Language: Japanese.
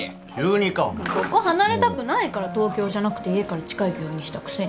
ここ離れたくないから東京じゃなくて家から近い病院にしたくせに。